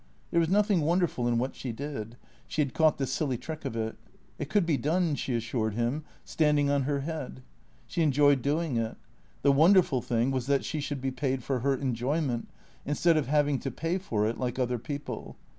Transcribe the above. There was nothing wonderful in what she did. She had caught the silly trick of it. It could be done, she assured him, standing on your head. She enjoyed doing it. The wonderful thing was that she should be paid for her enjoy ment, instead of having to pay for it, like other people.